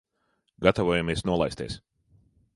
Gatavojamies nolaisties.